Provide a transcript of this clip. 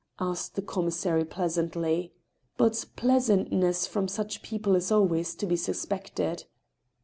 asked the commissary, pleasantly. But pleasantness from such people is always to be suspected.